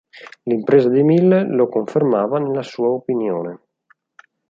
L'impresa dei Mille lo confermava nella sua opinione.